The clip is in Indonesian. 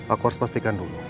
aku harus pastikan dulu